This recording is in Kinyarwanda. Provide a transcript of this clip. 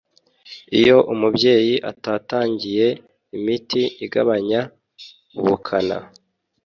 iyo umubyeyi atatangiye imiti igabanya ubukana